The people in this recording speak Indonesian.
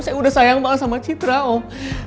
saya udah sayang banget sama citra om